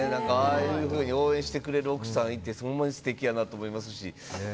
ああいうふうに応援してくれる奥さんがいてほんまに素敵やなと思いますし